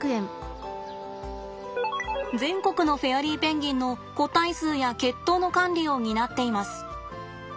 全国のフェアリーペンギンの個体数や血統の管理を担っています。